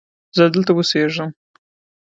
زه دلته اوسیږم.